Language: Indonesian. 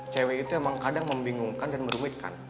cewek itu emang kadang membingungkan dan meruitkan